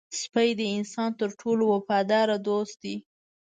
سپي د انسان تر ټولو وفادار دوست دی.